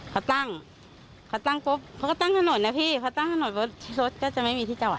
เขาตั้งเขาตั้งปุ๊บเขาก็ตั้งถนนนะพี่เขาตั้งถนนรถรถก็จะไม่มีที่จังหวัด